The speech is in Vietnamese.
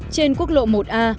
trên quốc lộ một a